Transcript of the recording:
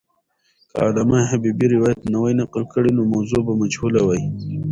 که علامه حبیبي روایت نه وای نقل کړی، نو موضوع به مجهوله وای.